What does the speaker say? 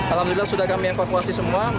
alhamdulillah sudah kami evakuasi semua